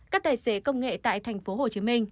các tài xế công nghệ tại tp hcm